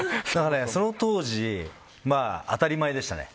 その当時、当たり前でしたね。